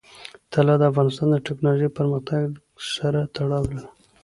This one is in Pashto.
طلا د افغانستان د تکنالوژۍ پرمختګ سره تړاو لري.